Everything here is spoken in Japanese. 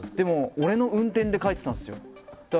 でも俺の運転で帰ってたんですよ。